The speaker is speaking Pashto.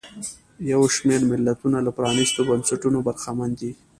یو شمېر ملتونه له پرانیستو بنسټونو برخمن دي.